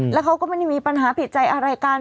แล้วเขาก็ไม่ได้มีปัญหาผิดใจอะไรกัน